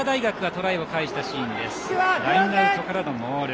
ラインアウトからのモール。